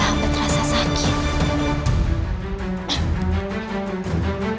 hamba terasa sakit